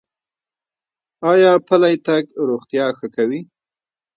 ایا پلی تګ روغتیا ښه کوي؟